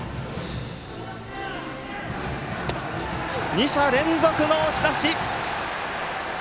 ２者連続の押し出し！